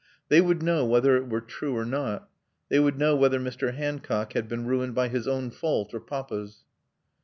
They would know whether it were true or not. They would know whether Mr. Hancock had been ruined by his own fault or Papa's.